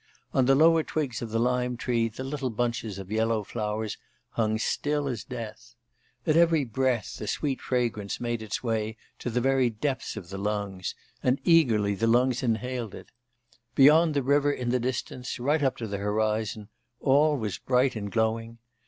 On the lower twigs of the lime tree the little bunches of yellow flowers hung still as death. At every breath a sweet fragrance made its way to the very depths of the lungs, and eagerly the lungs inhaled it. Beyond the river in the distance, right up to the horizon, all was bright and glowing.